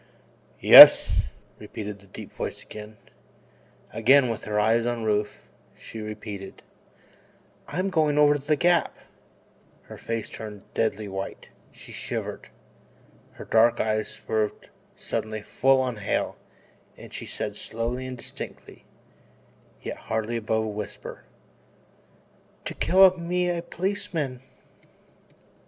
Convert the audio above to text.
"Yes," repeated the deep voice again. Again, with her eyes on Rufe, she repeated: "'I'm goin' over to the Gap '" her face turned deadly white, she shivered, her dark eyes swerved suddenly full on Hale and she said slowly and distinctly, yet hardly above a whisper: "'TO KILL ME A POLICEMAN.'"